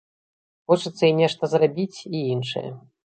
Хочацца і нешта зрабіць, і іншае.